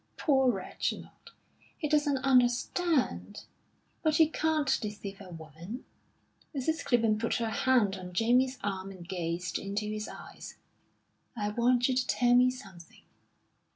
Poor Reginald, he doesn't understand! But you can't deceive a woman." Mrs. Clibborn put her hand on Jamie's arm and gazed into his eyes. "I want you to tell me something.